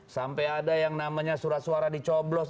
sampai ada yang namanya surat suara dicoblos